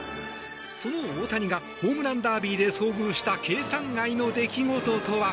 その大谷がホームランダービーで遭遇した計算外の出来事とは。